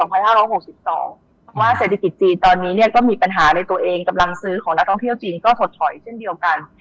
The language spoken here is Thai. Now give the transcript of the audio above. เพราะว่าเศรษฐกิจจีนตอนนี้ก็มีปัญหาในตัวเองกำลังซื้อของนักท่องเที่ยวจีนก็ถดถอยเช่นเดียวกัน